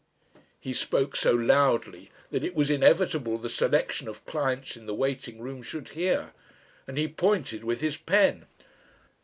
He spoke so loudly that it was inevitable the selection of clients in the waiting room should hear, and he pointed with his pen.